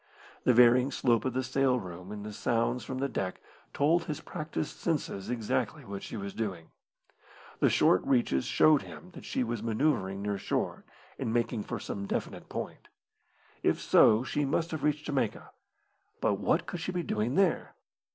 The varying slope of the sail room and the sounds from the deck told his practised senses exactly what she was doing. The short reaches showed him that she was manoeuvring near shore, and making for some definite point. If so, she must have reached Jamaica. But what could she be doing there?